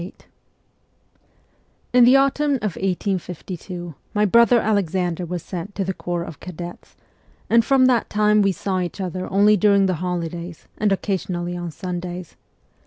VIII IN the autumn of 1852 my brother Alexander was sent to the corps of cadets, and from that time we saw each other only during the holidays and occasionally on Sundays.